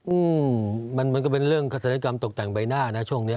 อืมมันมันก็เป็นเรื่องฆาศัลยกรรมตกแต่งใบหน้านะช่วงเนี้ย